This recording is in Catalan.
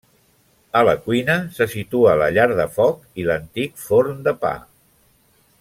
A la cuina se situa la llar de foc i l'antic forn de pa.